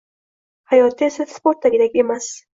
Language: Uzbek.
Hayotda esa sportdagidek emas.